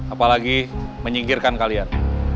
apalagi menyingkirkan kalian